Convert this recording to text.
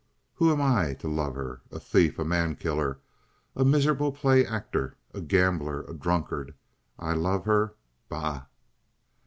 Who am I to love her? A thief, a man killer, a miserable play actor, a gambler, a drunkard. I love her? Bah!"